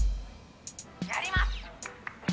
やります。